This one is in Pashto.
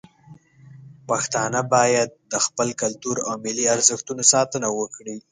پښتانه باید د خپل کلتور او ملي ارزښتونو ساتنه وکړي.